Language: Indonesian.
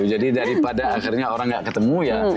jadi daripada akhirnya orang nggak ketemu ya